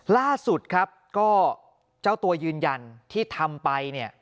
ล่าสุดครับก็เจ้าตัวยืนยันที่ทำไปเนี่ย